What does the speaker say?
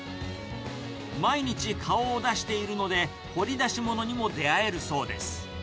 毎日、顔を出しているので、掘り出しものにも出会えるそうです。